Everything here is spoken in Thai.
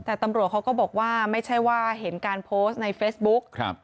แต่ตำรวจเขาก็บอกว่าไม่ใช่ว่าเห็นการโพสต์ในเฟซบุ๊ก